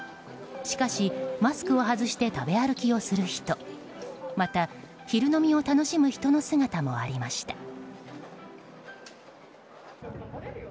しかし、マスクを外して食べ歩きをする人また、昼飲みを楽しむ人の姿もありました。